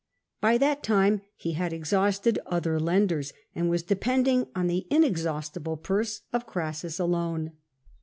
By that time ho had exhausted other lenders, and was depending on the inexhaustible purse of Crassus alone.